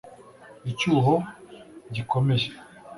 Icyuho gikomeye